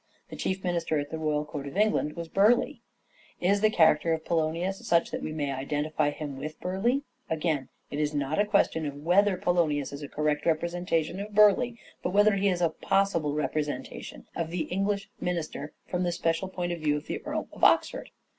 The chief minister at the royal court of England was Burleigh. Is the character of Poionius such that we may identify him with Burleigh ? Again it is not a question of whether Poionius is a correct representa tion of Burleigh, but whether he is a possible representation of the English minister from the special point of view of the Earl of Oxford.